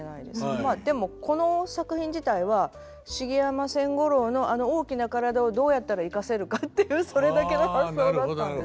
まあでもこの作品自体は茂山千五郎のあの大きな体をどうやったら生かせるかっていうそれだけの発想だったんです。